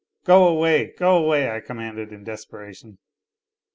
" Go away, go away," I commanded in desperation.